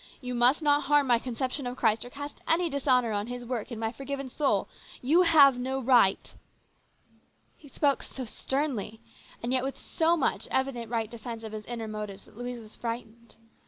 You must not harm my conception of Christ, or cast any dishonour on His work in my forgiven soul ! You have no right !" He spoke so sternly, and yet with so much evident right defence of his inner motives, that Louise was frightened.